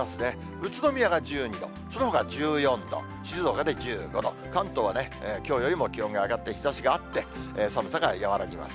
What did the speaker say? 宇都宮が１２度、そのほかが１４度、静岡で１５度、関東はね、きょうよりも気温が上がって、日ざしがあって、寒さが和らぎます。